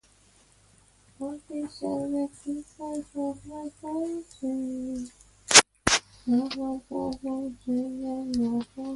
Permissions granted by an optometric license vary by location.